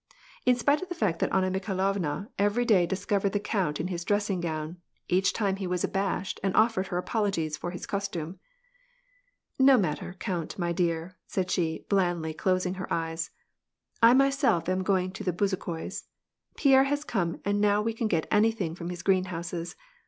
In spite of the fact that Ajina Mikhailovna every day discovered the count in his dressing gown, each time he was abashed, and offered her apologies for his costume. " No matter, count, my dear," said she, blandly closing hei eyj3S. " I myself am goingito the Bezukhoi's. Pierre has come, and now we can get anything from his greenhouses.